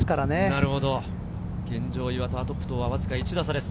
現状、岩田はトップとわずか１打差です。